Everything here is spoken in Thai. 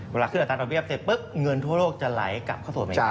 เวลาขึ้นอัตราดอกเบี้เสร็จปุ๊บเงินทั่วโลกจะไหลกลับเข้าสู่อเมริกา